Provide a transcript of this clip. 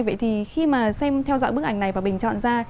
vậy thì khi mà xem theo dõi bức ảnh này và bình chọn ra